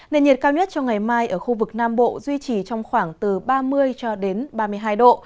nền nhiệt cao nhất cho ngày mai ở khu vực nam bộ duy trì trong khoảng từ ba mươi cho đến ba mươi hai độ